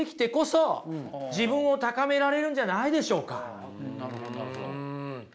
でもねなるほどなるほど。